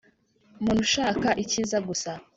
muntu ushaka icyizagusa